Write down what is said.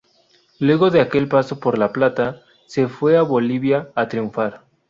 Luego de aquel paso por La Plata, se fue a Bolivia a triunfar.